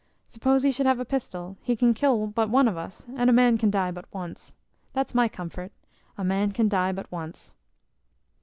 Suppose he should have a pistol, he can kill but one of us, and a man can die but once. That's my comfort, a man can die but once."